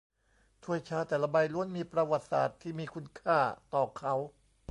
ถ้วยชาแต่ละใบล้วนมีประวัติศาสตร์ที่มีคุณค่าต่อเขา